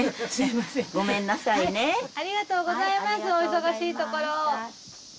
お忙しいところ。